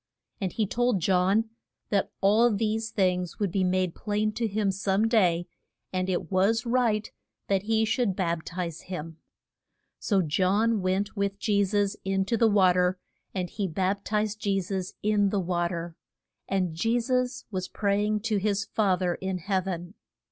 And he told John, that all these things would be made plain to him some day, and it was right that he should bap tize him. So John went with Je sus in to the wa ter, and he bap tized Je sus in the wa ter. And Je sus was pray ing to his Fa ther in heav en.